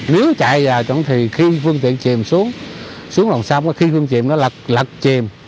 nếu chạy vào thì khi phương tiện chìm xuống xuống lòng xong khi phương tiện nó lật chìm